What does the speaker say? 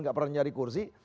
nggak pernah nyari kursi